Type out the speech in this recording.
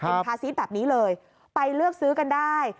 คาซีสแบบนี้เลยไปเลือกซื้อกันได้